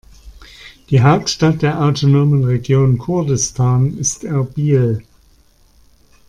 Die Hauptstadt der autonomen Region Kurdistan ist Erbil.